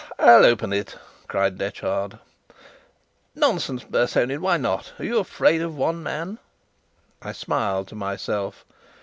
I'll open it!" cried Detchard. "Nonsense, Bersonin, why not? Are you afraid of one man?" I smiled to myself.